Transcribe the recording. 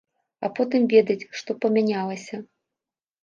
А потым ведаць, што памянялася.